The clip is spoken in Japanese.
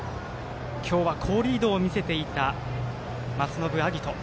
今日は好リードを見せていた松延晶音。